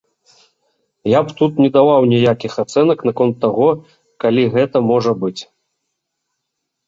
Я б тут не даваў ніякіх ацэнак наконт таго, калі гэта можа быць.